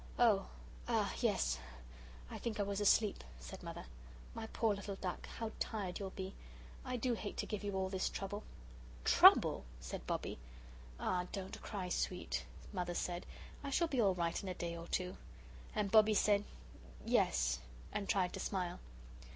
"Oh ah, yes I think I was asleep," said Mother. "My poor little duck, how tired you'll be I do hate to give you all this trouble." "Trouble!" said Bobbie. "Ah, don't cry, sweet," Mother said; "I shall be all right in a day or two." And Bobbie said, "Yes," and tried to smile.